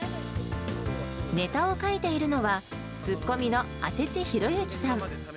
ネタを書いているのは、ツッコミの阿世知弘之さん。